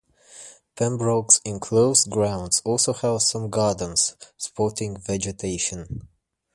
Pembroke's enclosed grounds also house some gardens, sporting vegetation.